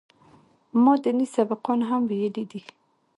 ما ديني سبقان هم ويلي دي.